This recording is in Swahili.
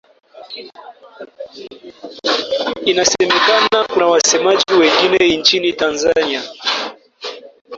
Inasemekana kuna wasemaji wengine nchini Tanzania.